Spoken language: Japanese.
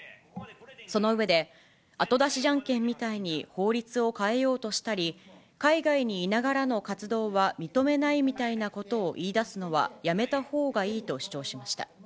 その上で、後出しジャンケンみたいに法律を変えようとしたり、海外にいながらの活動は認めないみたいなことを言いだすのはやめたほうがいいと主張しました。